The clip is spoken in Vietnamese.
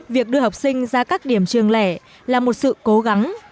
việc đưa học sinh ra các điểm trường lẻ là một sự cố gắng